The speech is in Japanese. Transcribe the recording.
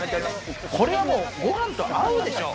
これはもうご飯と合うでしょう。